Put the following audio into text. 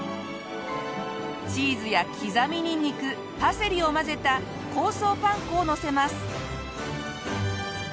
チーズや刻みニンニクパセリを混ぜた香草パン粉をのせます。